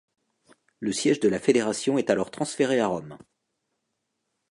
Le siège de la fédération est alors transféré à Rome.